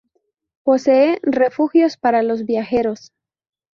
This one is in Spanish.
Posee refugios para los viajeros.